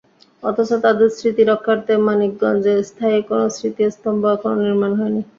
অথচ তাঁদের স্মৃতি রক্ষার্থে মানিকগঞ্জে স্থায়ী কোনো স্মৃতি স্তম্ভ এখনো নির্মাণ হয়নি।